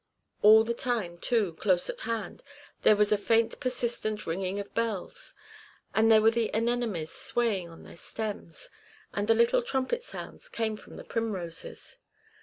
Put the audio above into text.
All the time, too, close at hand, there was a faint persistent ringing of bells; and these were the anemones swaying on their stems; and the little trumpet sounds came from the primroses.